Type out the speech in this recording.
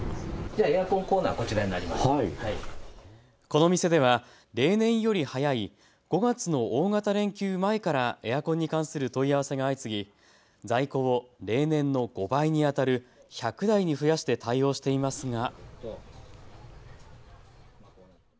この店では例年より早い５月の大型連休前からエアコンに関する問い合わせが相次ぎ在庫を例年の５倍にあたる１００台に増やして対応していますが。